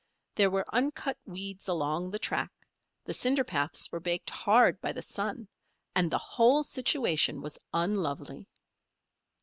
There were uncut weeds along the track, the cinderpaths were baked hard by the sun, and the whole situation was unlovely.